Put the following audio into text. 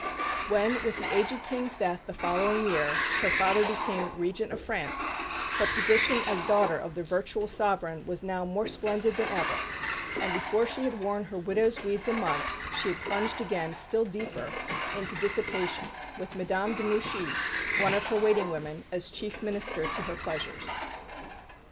When, with the aged King's death in the following year, her father became Regent of France, her position as daughter of the virtual sovereign was now more splendid than ever; and before she had worn her widow's weeds a month, she had plunged again, still deeper, into dissipation, with Madame de Mouchy, one of her waiting women, as chief minister to her pleasures.